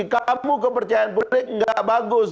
kamu kepercayaan publik gak bagus